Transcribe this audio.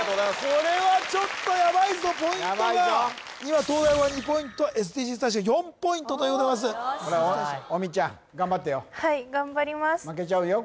これはちょっとヤバいぞポイントがヤバいぞ今東大王が２ポイントＳＤＧｓ大使が４ポイントということでございます大道ちゃん頑張ってよはい頑張ります負けちゃうよ